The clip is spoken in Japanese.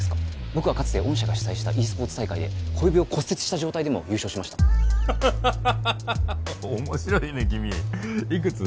僕はかつて御社が主催したｅスポーツ大会で小指を骨折した状態でも優勝しましたハハハハ面白いね君いくつ？